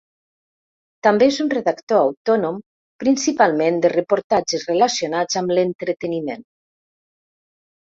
També és un redactor autònom, principalment de reportatges relacionats amb l'entreteniment.